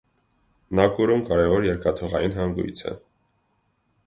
Նակուրուն կարևոր երկաթուղային հանգույց է։